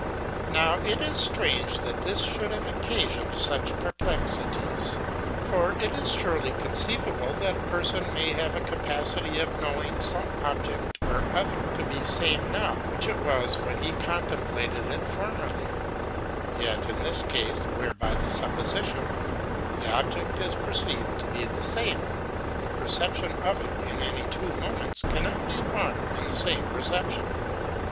Now it is strange that this should have occa 1 Locke's Works, vol. i. p. 146. 8 Locke, pp. 146, 147. 26o The Analogy of Religion sioned such perplexities. For it is surely conceivable, that a person may have a capacity of knowing some object or other to be same now, which it was when he contemplated it formerly : yet in this case, where, by the supposition, the object is perceived to be the same, the perception of it in any two moments cannot be one and the same perception.